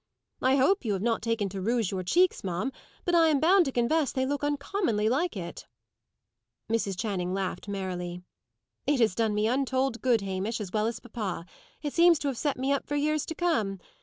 "I hope you have not taken to rouge your cheeks, ma'am, but I am bound to confess they look uncommonly like it." Mrs. Channing laughed merrily. "It has done me untold good, Hamish, as well as papa; it seems to have set me up for years to come.